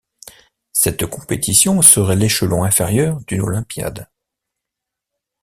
Cette compétition serait l'échelon inférieur d'une olympiade.